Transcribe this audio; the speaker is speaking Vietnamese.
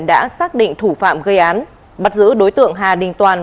đã xác định thủ phạm gây án bắt giữ đối tượng hà đình toàn